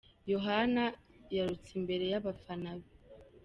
Yohana yarutse imbere y’abafana be